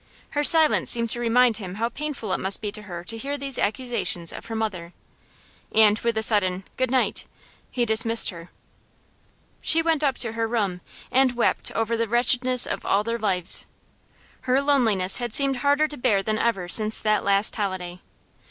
Her silence seemed to remind him how painful it must be to her to hear these accusations of her mother, and with a sudden 'Good night' he dismissed her. She went up to her room, and wept over the wretchedness of all their lives. Her loneliness had seemed harder to bear than ever since that last holiday.